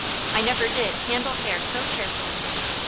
I never did handle hair so carefully.